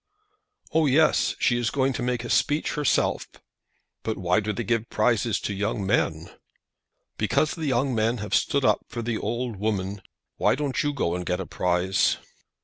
"Oh, yes; she is going to make a speech herself." "But why do they give prizes to young men?" "Because the young men have stood up for the old women. Why don't you go and get a prize?"